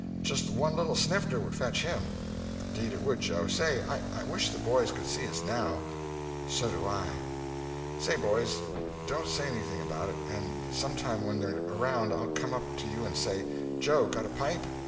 Just one little snifter would fetch him." "'Deed it would, Joe. Say—I wish the boys could see us now." "So do I." "Say—boys, don't say anything about it, and some time when they're around, I'll come up to you and say, 'Joe, got a pipe?